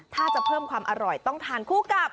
ถ้าจะเพิ่มความอร่อยต้องทานคู่กับ